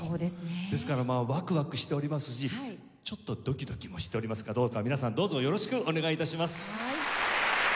ですからまあワクワクしておりますしちょっとドキドキもしておりますがどうか皆さんどうぞよろしくお願い致します。